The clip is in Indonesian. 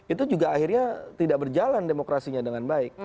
itu juga akhirnya tidak berjalan demokrasinya dengan baik